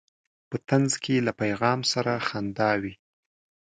په طنز کې له پیغام سره خندا وي.